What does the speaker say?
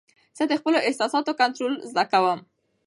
زه د خپلو احساساتو کنټرول زده کوم.